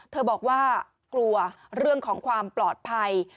บอกว่ากลัวเรื่องของความปลอดภัย